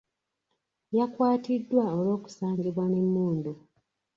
Yakwatiddwa olw'okusangibwa n'emmundu.